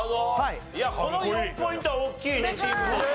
いやこの４ポイントは大きいねチームとして。